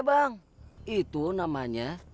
gimana perlu kuk force